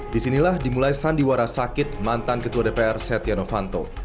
disinilah dimulai sandiwara sakit mantan ketua dpr setia novanto